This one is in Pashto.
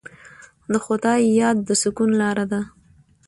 د خدای یاد د سکون لاره ده.